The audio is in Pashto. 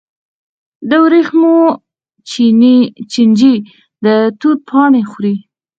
د ورېښمو چینجي د توت پاڼې خوري.